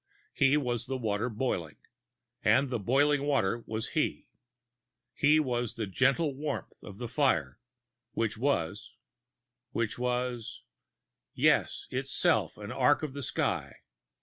He was the water boiling ... and the boiling water was he. He was the gentle warmth of the fire, which was which was, yes, itself the arc of the sky.